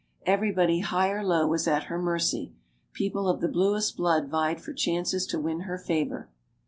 Everybody, high or low, was at her mercy. People of the bluest blood vied for chances to win her favor.